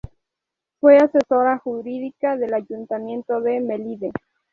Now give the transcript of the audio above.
Fue asesora Jurídica del Ayuntamiento de Melide.